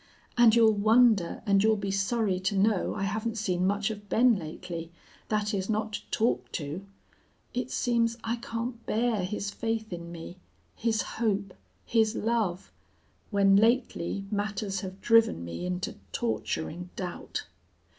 And you'll wonder, and you'll be sorry to know I haven't seen much of Ben lately that is, not to talk to. It seems I can't bear his faith in me, his hope, his love when lately matters have driven me into torturing doubt.